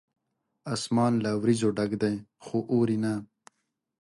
اسمان له وریځو ډک دی ، خو اوري نه